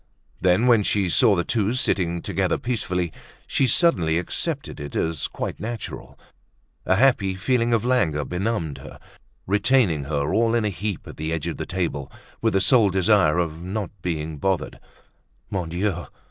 Then, when she saw the two sitting together peacefully, she suddenly accepted it as quite natural. A happy feeling of languor benumbed her, retained her all in a heap at the edge of the table, with the sole desire of not being bothered. _Mon Dieu!